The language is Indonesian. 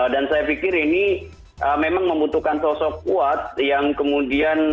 dan saya pikir ini memang membutuhkan sosok kuat yang kemudian inklusif